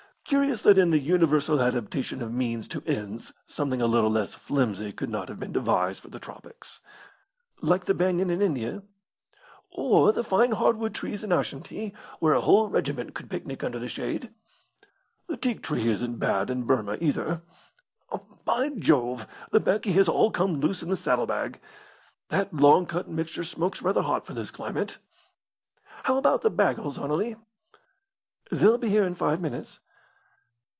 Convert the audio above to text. Curious that in the universal adaptation of means to ends something a little less flimsy could not have been devised for the tropics." "Like the banyan in India." "Or the fine hardwood trees in Ashantee, where a whole regiment could picnic under the shade." "The teak tree isn't bad in Burmah, either. By Jove, the baccy has all come loose in the saddle bag! That long cut mixture smokes rather hot for this climate. How about the baggles, Anerley?" "They'll be here in five minutes."